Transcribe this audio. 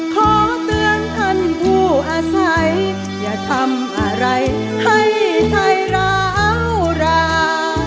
ขอเตือนท่านผู้อาศัยอย่าทำอะไรให้ไทยร้าวรา